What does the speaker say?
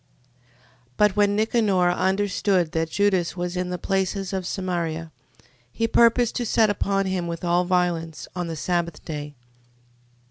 15:1. But when Nicanor understood that Judas was in the places of Samaria, he purposed to set upon him with all violence, on the sabbath day.